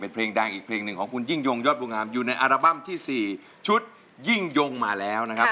เพลงดังอีกเพลงหนึ่งของคุณยิ่งยงยอดบวงงามอยู่ในอัลบั้มที่๔ชุดยิ่งยงมาแล้วนะครับ